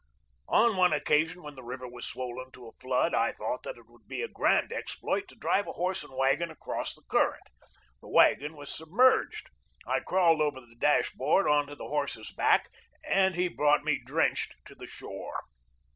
On one occasion, when the river was swollen to a flood, I thought that it would be a grand exploit to drive a horse and wagon across the current. The wagon was submerged. I crawled over the dash board onto the horse's back, and he brought me drenched to the shore.